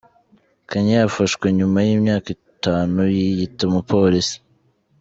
Kenya Yafashwe nyuma y’imyaka itanu yiyita umupolisi